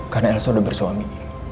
karena elsa udah bersuami